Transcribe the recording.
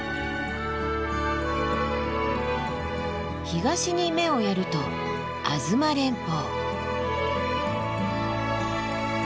東に目をやると吾妻連峰。